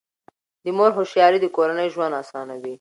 د مور هوښیاري د کورنۍ ژوند اسانوي.